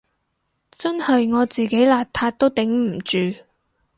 真係我自己邋遢都頂唔住